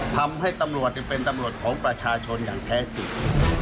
ทำให้ตำรวจเป็นตำรวจของประชาชนอย่างแท้จริง